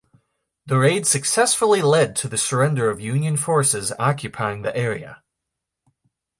The raid successfully led to the surrender of Union forces occupying the area.